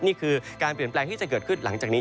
นี่คือการเปลี่ยนแปลงที่จะเกิดขึ้นหลังจากนี้